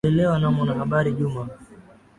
Alilelewa na mwanahabari Juma